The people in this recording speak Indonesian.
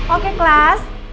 oke kelas rena ya